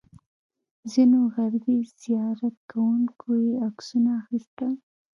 ځینو غربي زیارت کوونکو یې عکسونه اخیستل.